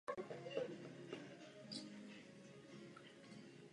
Pro teoretiky elit jsou dějiny záznamem střídání elit.